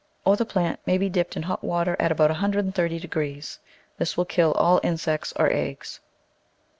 Or the plant may be dipped in hot water at about 130 degrees ; this will kill all insects or eggs.